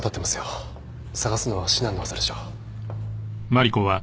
捜すのは至難の業でしょう。